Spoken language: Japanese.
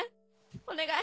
お願い！